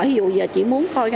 ví dụ giờ chỉ muốn coi